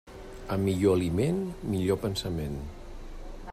A millor aliment, millor pensament.